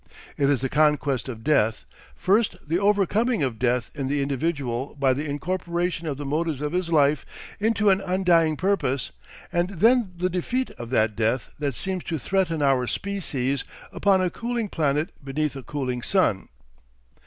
It is the conquest of death; first the overcoming of death in the individual by the incorporation of the motives of his life into an undying purpose, and then the defeat of that death that seems to threaten our species upon a cooling planet beneath a cooling sun.